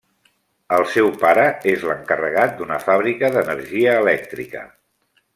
El seu pare és l'encarregat d'una fàbrica d'energia elèctrica.